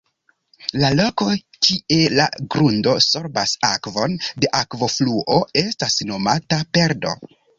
La loko, kie la grundo sorbas akvon de akvofluo estas nomata "perdo".